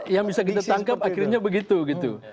yang bisa kita tangkap akhirnya begitu gitu